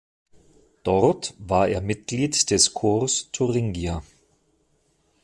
Dort war er Mitglied des Corps Thuringia.